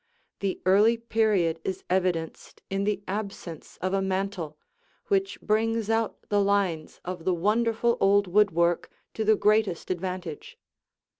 The early period is evidenced in the absence of a mantel, which brings out the lines of the wonderful old woodwork to the greatest advantage.